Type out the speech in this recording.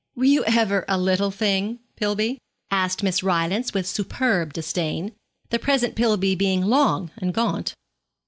'Were you ever a little thing, Pillby?' asked Miss Rylance with superb disdain, the present Pillby being long and gaunt.